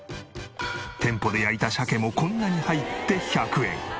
店舗で焼いたシャケもこんなに入って１００円。